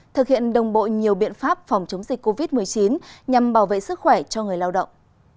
thực hiện đồng bộ nhiều biện pháp phòng chống dịch covid một mươi chín nhằm bảo vệ sức khỏe cho người lao động